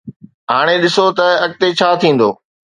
هاڻي ڏسون ته اڳتي ڇا ٿيندو